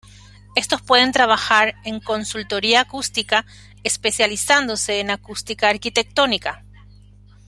Estos pueden trabajar en consultoría acústica, especializándose en acústica arquitectónica.